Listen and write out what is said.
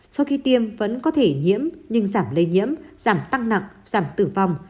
sau khi tiêm vẫn có thể nhiễm nhưng giảm lây nhiễm giảm tăng nặng giảm tử vong